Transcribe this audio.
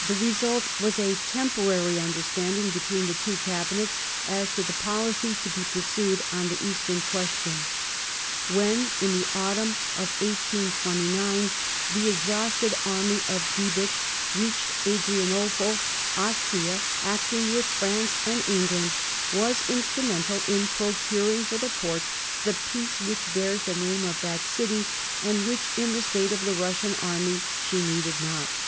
The residt was a temporary understanding between the two cabinets as to the policy to be pursued on the Eastern question. When, in the autumn of 1829, the exhausted army of Diebitch reached Adrianople, Austria, acting with France and England, was instrumental in procuring for the Porte the peace which bears the name of that city, and which, in the state of the Russian army, she needed not.